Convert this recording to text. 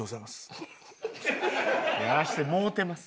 「やらせてもうてます」。